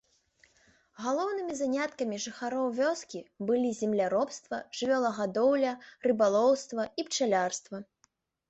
Галоўнымі заняткамі жыхароў вёскі былі земляробства, жывёлагадоўля, рыбалоўства і пчалярства.